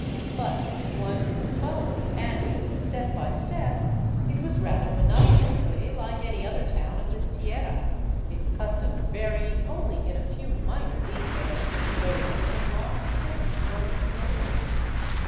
But to one who had followed the Andes step by step it was rather monotonously like any other town of the Sierra, its customs varying only in a few minor details from those that had long since grown familiar.